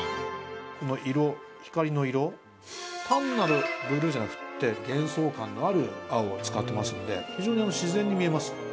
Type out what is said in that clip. この色単なるブルーじゃなくって幻想感のある青を使ってますんで非常に自然に見えます。